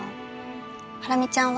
ハラミちゃんは？